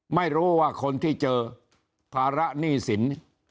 ไม่รู้ว่าคนที่เจอภาระหนี้สิน